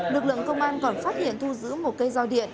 lực lượng công an còn phát hiện thu giữ một cây roi điện